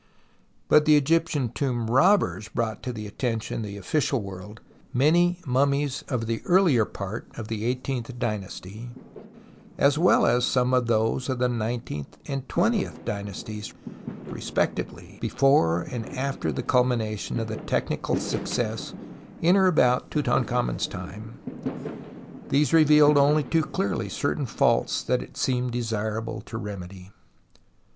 But the Egyptian tomb robbers brought to the attention of the official world many mummies of the earlier part of the eighteenth dynasty, as well as some of those of the nineteenth and twentietli dynasties respectively before and after the culmination of the technical success in or about Tutankhamen's time which revealed only too clearly certain faults that it seemed desirable to remedy.